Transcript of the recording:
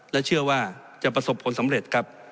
และเชื่อว่าจะประสบผลสำเร็จครับ